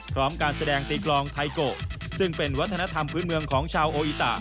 พร้อมการแสดงตีกลองไทโกะซึ่งเป็นวัฒนธรรมพื้นเมืองของชาวโออิตะ